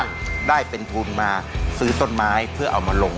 ได้เป็นทุนมาซื้อต้นไม้เพื่อเอามาลง